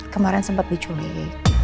kemaren sempat diculik